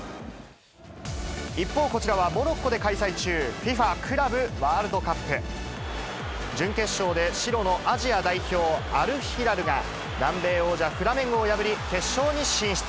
一方、こちらはモロッコで開催中、ＦＩＦＡクラブワールドカップ。準決勝で白のアジア代表、アルヒラルが南米王者、フラメンゴを破り、決勝に進出。